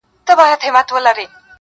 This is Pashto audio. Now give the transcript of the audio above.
زما د سترگو له جوړښته قدم اخله_